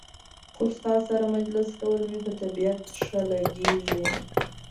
خو ستا سره مجلس کول مې په طبیعت ښه لګي.